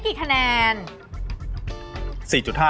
กับเครื่องจากด้านใจ